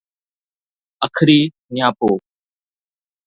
اکري نياپو